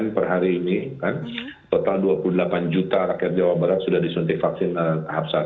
per hari ini kan total dua puluh delapan juta rakyat jawa barat sudah disuntik vaksin tahap satu